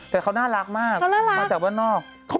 แต่เขาน่ารักมากมาจากว่านอก